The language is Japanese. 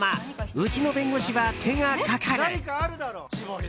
「うちの弁護士は手がかかる」。